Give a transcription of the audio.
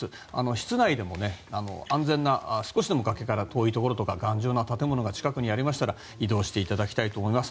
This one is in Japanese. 室内でも少しでも崖から遠いところとか頑丈な建物が近くにあったら移動していただきたいと思います。